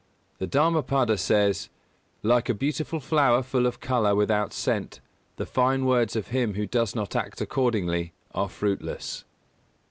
The Dhammapada says: "Like a beautiful flower full of colour without scent the fine words of him who does not act accordingly are fruitless."